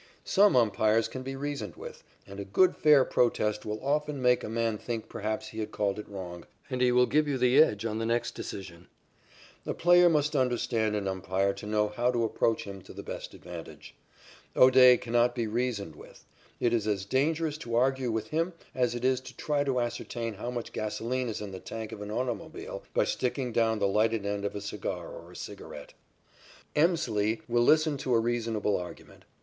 Some umpires can be reasoned with, and a good fair protest will often make a man think perhaps he has called it wrong, and he will give you the edge on the next decision. A player must understand an umpire to know how to approach him to the best advantage. O'Day cannot be reasoned with. It is as dangerous to argue with him as it is to try to ascertain how much gasoline is in the tank of an automobile by sticking down the lighted end of a cigar or a cigarette. Emslie will listen to a reasonable argument.